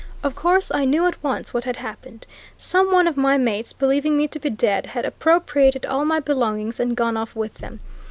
"Of course, I knew at once what had happened some one of my mates, believing me to be dead, had appropriated all my belongings and gone off with them.